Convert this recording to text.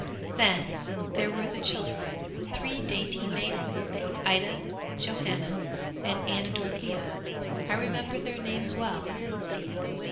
'Then there were the children, three dainty maidens, Ida, Johanna and Anna Dorothea. I remember their names well.